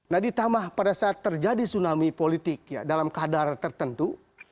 nah ditambah pada saat terjadi tsunami politik ya dalam kadar tertentu